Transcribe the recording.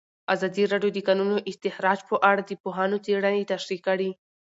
ازادي راډیو د د کانونو استخراج په اړه د پوهانو څېړنې تشریح کړې.